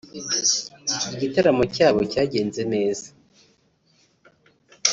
Igitaramo cyabo cyagenze neza